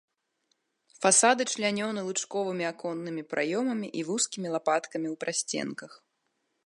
Фасады члянёны лучковымі аконнымі праёмамі і вузкімі лапаткамі ў прасценках.